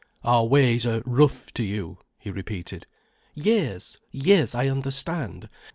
"Our ways are rough to you," he repeated. "Yes—yes, I understand.